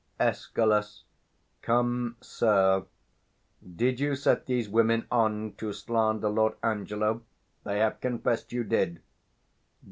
285 Escal. Come, sir: did you set these women on to slander Lord Angelo? they have confessed you did.